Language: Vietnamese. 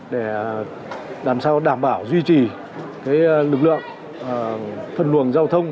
để làm sao đảm bảo duy trì lực lượng phân luồng giao thông